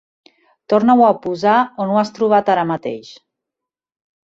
Torna-ho a posar on ho has trobat ara mateix.